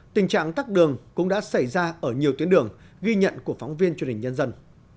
tình trạng tắt đường cũng đã xảy ra ở nhiều tuyến đường ghi nhận của phóng viên truyền hình nhân dân